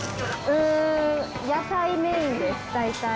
うーん、野菜メインです、大体。